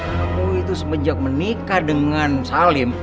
aku itu semenjak menikah dengan salim